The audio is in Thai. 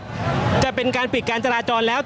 ก็น่าจะมีการเปิดทางให้รถพยาบาลเคลื่อนต่อไปนะครับ